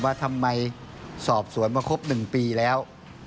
ว่าทำไมสอบสวนมาครบ๑ปีแล้ว